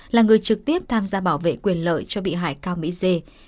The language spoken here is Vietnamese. là người trực tiếp tham gia bảo vệ quyền lợi cho bị hại cao mỹ dê